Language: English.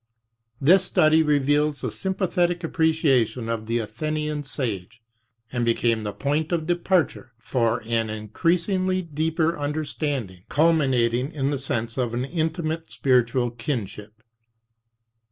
This study reveals a sympathetic appreciation of the Athenian sage, and became the point of departure for an increasingly deeper understanding, culminating in the sense of an intimate spiritual kinship.